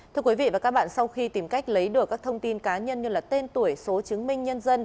thưa quý vị và các bạn sau khi tìm cách lấy được các thông tin cá nhân như tên tuổi số chứng minh nhân dân